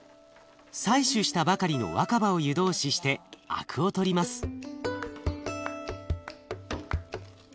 採取したばかりの若葉を湯通ししてアクを取ります。